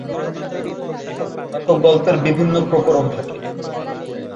ফলস্বরূপ, একক গল্পের বিভিন্ন প্রকরণ থাকে।